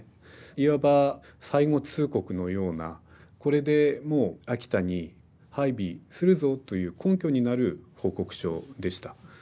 いわば最後通告のような「これでもう秋田に配備するぞ」という根拠になる報告書でした。